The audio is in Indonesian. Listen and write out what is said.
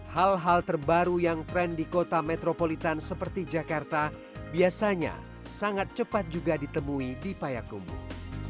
hal hal terbaru yang tren di kota metropolitan seperti jakarta biasanya sangat cepat juga ditemui di payakumbuh